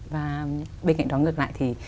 và bên cạnh đó ngược lại thì